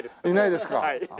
いないですか。